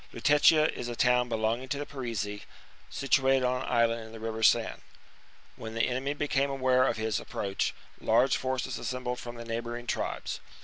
Lutetia is a town belonging to [Paris.] the Parisii, situated on an island in the river Seine. When the enemy became aware of his approach, large forces assembled from the neigh bouring tribes.